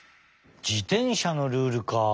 自転車のルールか。